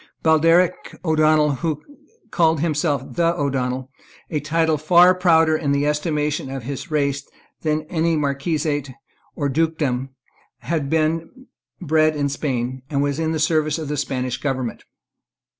Baldearg O'Donnel, who called himself the O'Donnel, a title far prouder, in the estimation of his race, than any marquisate or dukedom, had been bred in Spain, and was in the service of the Spanish government.